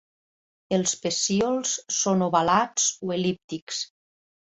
Els pecíols són ovalats o el·líptics.